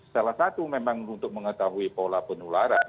salah satu memang untuk mengetahui pola penularan